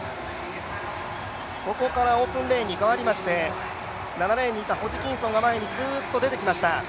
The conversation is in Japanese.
ここからオープンレーンに変わりまして、７レーンにいたホジキンソンは前にすっと出てきました。